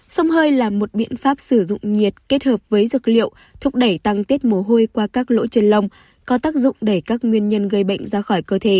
sông hơi là một biện pháp sử dụng nhiệt kết hợp với dược liệu thúc đẩy tăng tiết mồ hôi qua các lỗ chân lông có tác dụng đẩy các nguyên nhân gây bệnh ra khỏi cơ thể